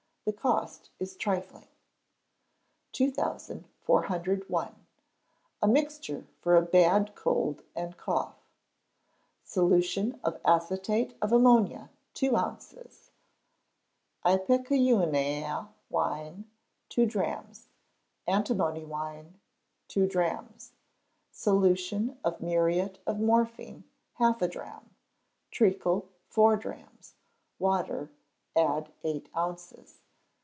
The cost is trifling. 2401. A Mixture for a Bad Cold and Cough. Solution of acetate of ammonia, two ounces; ipecacuanha wine, two drachms; antimony wine, two drachms; solution of muriate of morphine, half a drachm; treacle, four drachms; water, add eight ounces.